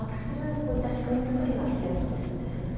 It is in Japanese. こういった仕組み作りが必要なんですね。